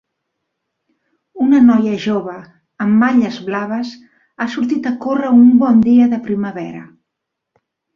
Una noia jove amb malles blaves ha sortit a córrer un bon dia de primavera.